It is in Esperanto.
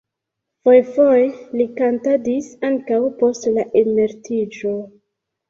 Foje-foje li kantadis ankaŭ post la emeritiĝo.